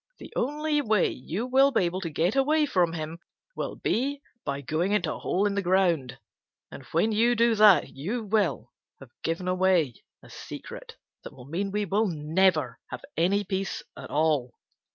The only way you will be able to get away from him will be by going into a hole in the ground, and when you do that you will have given away a secret that will mean we will never have any peace at all.